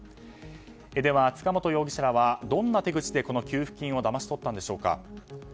では、塚本容疑者らはどんな手口でこの給付金をだまし取ったんでしょうか。